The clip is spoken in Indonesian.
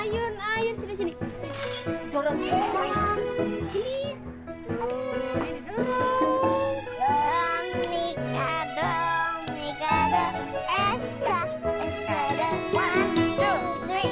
tunjukkan ke mbak anies kira kira sendiri